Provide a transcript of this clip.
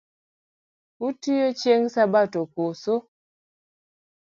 Utiyo chieng’ sabato koso?